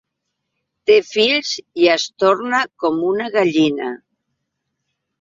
Té fills i es torna com una gallina.